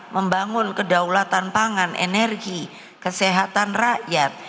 membangun kedaulatan pangan energi kesehatan rakyat